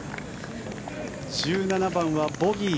１７番はボギー。